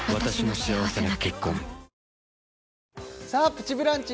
「プチブランチ」